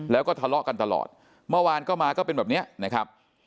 แล้วก็ทะเลาะกันตลอดเมื่อวานก็มาก็เป็นแบบนี้นะครับ